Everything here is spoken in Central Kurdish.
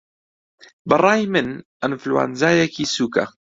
بەڕای من ئەنفلەوەنزایەکی سووکه